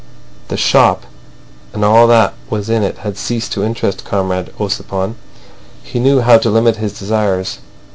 The shop and all that was in it had ceased to interest Comrade Ossipon. He knew how to limit his desires.